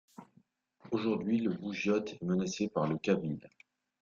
Aujourd’hui, le bougiote est menacé par le kabyle.